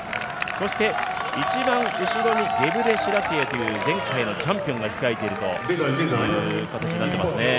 そして一番後ろにゲブレシラシエという前回のチャンピオンを控えているという形です。